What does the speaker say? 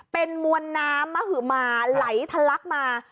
เป็นมวลน้ำมหมาไหลทะลักมา